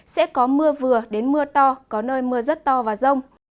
sẽ có mưa vừa đến mưa to có nơi mưa rất to và rông